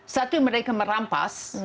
satu mereka merampas